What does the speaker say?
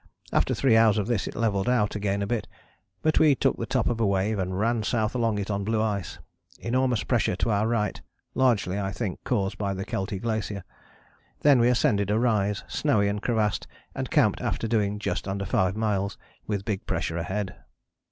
After three hours of this it levelled out again a bit, and we took the top of a wave, and ran south along it on blue ice: enormous pressure to our right, largely I think caused by the Keltie Glacier. Then we ascended a rise, snowy and crevassed, and camped after doing just under five miles, with big pressure ahead."